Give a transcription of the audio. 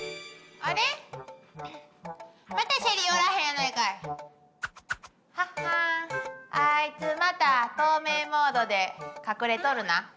あいつまた透明モードで隠れとるな。